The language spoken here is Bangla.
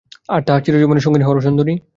আর তাহার চিরজীবনের সঙ্গিনী হরসুন্দরী?